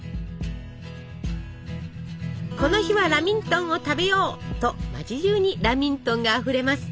この日は「ラミントンを食べよう」と町じゅうにラミントンがあふれます。